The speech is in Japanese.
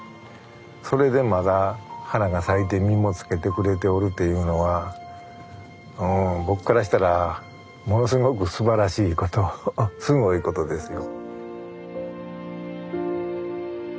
それでまだ花が咲いて実もつけてくれておるというのはうん僕からしたらものすごくすばらしいことすごいことですよ。